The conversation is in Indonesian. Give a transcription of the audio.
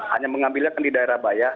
hanya mengambilnya kan di daerah bayak